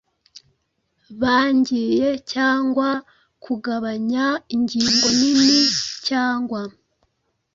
baangiye cyangwa kugabanya ingingo nini cyangwa